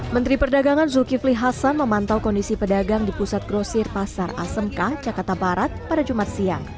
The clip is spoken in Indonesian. menteri perdagangan zulkifli hasan memantau kondisi pedagang di pusat grosir pasar asmk jakarta barat pada jumat siang